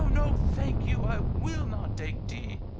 No, thank you! I will not take tea.